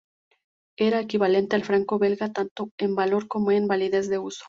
Era equivalente al franco belga, tanto en valor como en validez de uso.